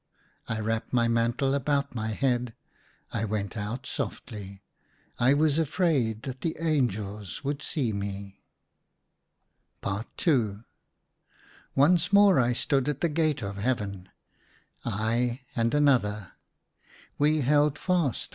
I wrapped my mantle about my head. I went out softly. I was afraid that the angels would see me. IL Once more I stood at the gate of Heaven, I and another. We held fast '' I THOUGHT I STOOD."